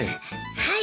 はい。